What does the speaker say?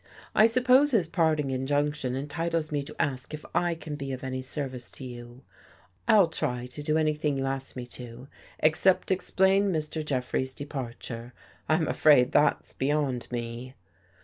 I suppose his parting injunction entitles me to ask if I can be of any service to you. I'll try to do any thing you ask me to, except explain Mr. Jeffrey's de parture. I'm afraid that's beyond me."